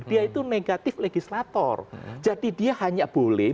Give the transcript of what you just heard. dia itu negatif legislator jadi dia hanya boleh